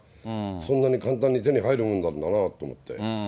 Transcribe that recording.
そんなに簡単に手に入るものなんだなぁと思って。